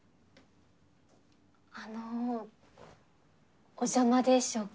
あのお邪魔でしょうか。